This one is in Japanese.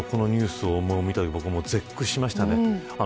このニュースを見たとき僕も絶句しました。